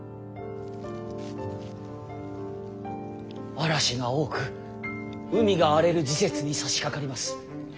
嵐が多く海が荒れる時節にさしかかります。